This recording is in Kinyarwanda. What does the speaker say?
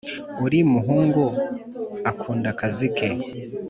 uri muhungu akunda akazi ke